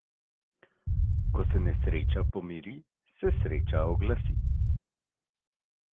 Ko se nesreča pomiri, se sreča oglasi.